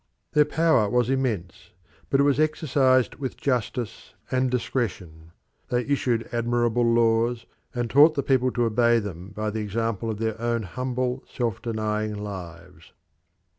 Their power was immense, but it was exercised with justice and discretion: they issued admirable laws, and taught the people to obey them by the example of their own humble, self denying lives.